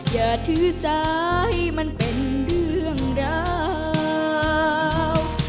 อย่าถือสายมันเป็นเรื่องราว